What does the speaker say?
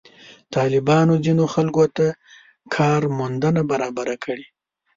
طالبانو ځینو خلکو ته کار موندنه برابره کړې.